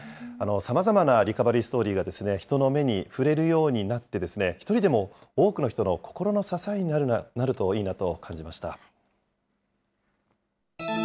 さまざまなリカバリーストーリーが人の目に触れるようになって、一人でも多くの人の心の支えになるといいなと感じました。